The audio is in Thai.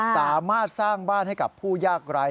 สามารถสร้างบ้านให้กับผู้ยากไร้